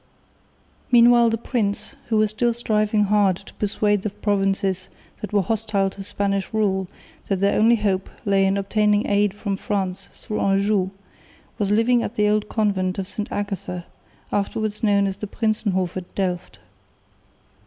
Meanwhile the prince, who was still striving hard to persuade the provinces that were hostile to Spanish rule that their only hope lay in obtaining aid from France through Anjou, was living at the old convent of St Agatha, afterwards known as the Prinsenhof at Delft.